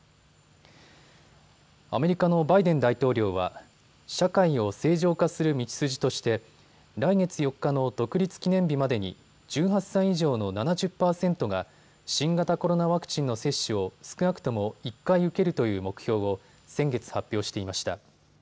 アメリカのバイデン大統領は社会を正常化する道筋として来月４日の独立記念日までに１８歳以上の７０％が新型コロナワクチンの接種を少なくとも１回受けるという目標を先月、発表していました。